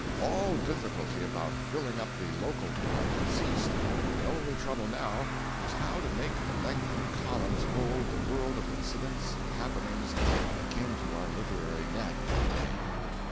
All difficulty about filling up the "local department" ceased, and the only trouble now was how to make the lengthened columns hold the world of incidents and happenings that came to our literary net every day.